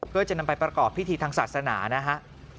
เพื่อจะนำไปประกอบพิธีทางศาสนานะฮะ